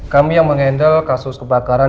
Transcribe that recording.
kami yang mengendal kasus kebakaran